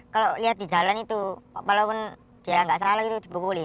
kalau lihat di jalan itu walaupun dia nggak salah gitu dibukulin